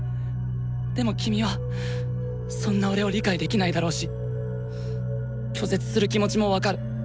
でも君はそんな俺を理解できないだろうし拒絶する気持ちも分かる。